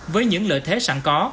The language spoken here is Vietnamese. với những lợi thế sẵn có